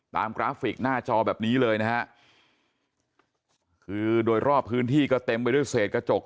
กราฟิกหน้าจอแบบนี้เลยนะฮะคือโดยรอบพื้นที่ก็เต็มไปด้วยเศษกระจก